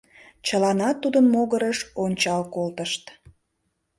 Чыланат тудын могырыш ончал колтышт.